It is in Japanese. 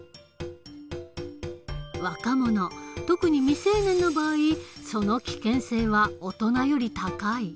若者特に未成年の場合その危険性は大人より高い。